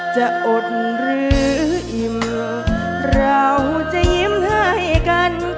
จะอดหรืออิ่มเราจะยิ้มให้กัน